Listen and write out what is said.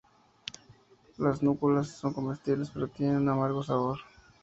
Las núculas son comestibles pero tienen un amargo sabor.